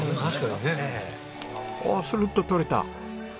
うわあスルッと取れた。